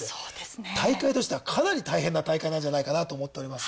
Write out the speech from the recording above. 大会としてはかなり大変な大会なんじゃないかなと思っております。